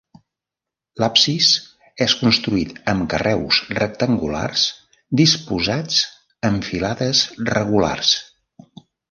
L'absis és construït amb carreus rectangulars disposats en filades regulars.